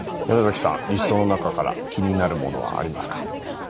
ヤマザキさんリストの中から気になるものはありますか？